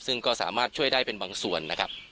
ซึ่งก็สามารถช่วยได้เป็นบางส่วนนะครับ